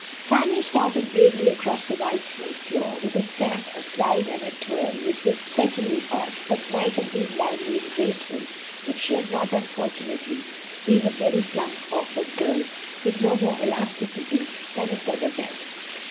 Fanny started bravely across the wide smooth floor, with a stamp, a slide, and a twirl which was certainly odd, but might have been lively and graceful if she had not unfortunately been a very plump, awkward girl, with no more elasticity than a feather bed.